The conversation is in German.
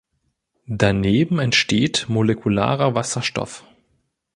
Daneben entsteht molekularer Wasserstoff.